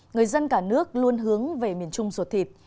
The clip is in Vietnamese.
người dân cả nước luôn hướng về miền trung ruột thịt